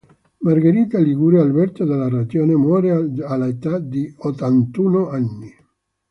Margherita Ligure, Alberto della Ragione muore all'età di ottantuno anni.